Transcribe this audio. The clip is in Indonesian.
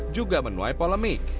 juga menuai polemik